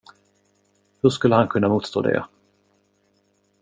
Hur skulle han kunna motstå det.